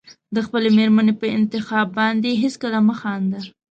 د خپلې مېرمنې په انتخاب باندې هېڅکله مه خانده.